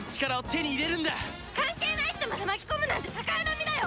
関係ない人まで巻き込むなんて逆恨みだよ！